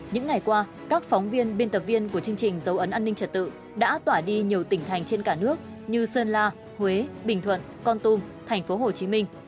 những ngày qua các phóng viên biên tập viên của chương trình dấu ấn an ninh trật tự đã tỏa đi nhiều tỉnh thành trên cả nước như sơn la huế bình thuận con tum thành phố hồ chí minh